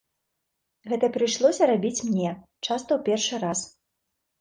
Гэта прыйшлося рабіць мне, часта ў першы раз.